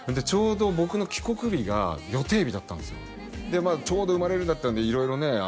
ちょうど僕の帰国日が予定日だったんですよでちょうど産まれるだったんで色々ね